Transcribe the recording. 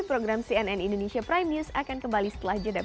program cnn indonesia prime news akan kembali setelah jeda berikut